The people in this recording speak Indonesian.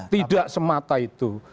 tidak semata itu